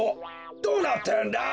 どうなってるんだ？